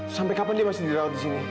sampai kapan dia masih dirawat di sini